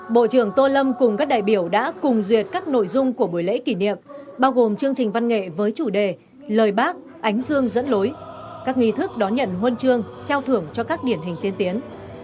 bộ trưởng tô lâm cùng các đại biểu đã cùng duyệt các nội dung của buổi lễ kỷ niệm bao gồm chương trình văn nghệ với chủ đề lời bác ánh dương dẫn lối các nghi thức đón nhận huân chương trao thưởng cho các điển hình tiên tiến